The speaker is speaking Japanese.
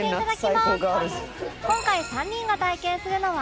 今回３人が体験するのは